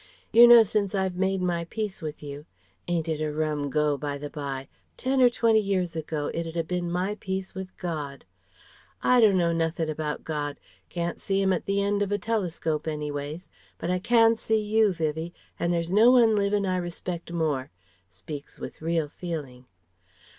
Yer know since I've made my peace with you.... Ain't it a rum go, by the bye? Ten or twenty years ago it'd 'a bin 'my peace with God.' I dunno nothin' about God can't see 'im at the end of a telescope, anyways. But I can see you, Vivie, and there's no one livin' I respect more" (speaks with real feeling)....